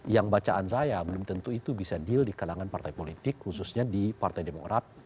yang bacaan saya belum tentu itu bisa deal di kalangan partai politik khususnya di partai demokrat